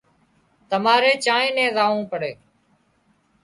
تماري چانئين نين زاوون پڙي